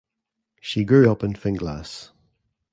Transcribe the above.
She grew up in Finglas.